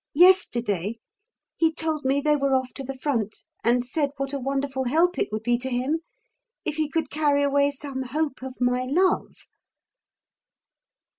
Yesterday he told me they were off to the front and said what a wonderful help it would be to him if he could carry away some hope of my love.